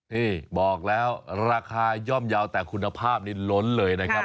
นี่บอกแล้วราคาย่อมเยาว์แต่คุณภาพนี้ล้นเลยนะครับ